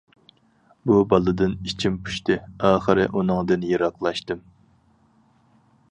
بۇ بالىدىن ئىچىم پۇشتى، ئاخىر ئۇنىڭدىن يىراقلاشتىم.